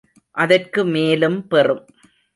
அதற்கு மேலும் பெறும்.